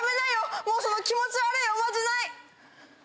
もうその気持ち悪いおまじない。